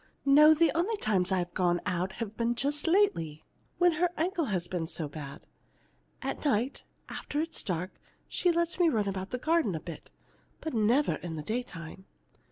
"No, the only times I have gone out have been just lately, when her ankle has been so bad. At night, after it is dark, she lets me run about the garden a bit, but never in the daytime."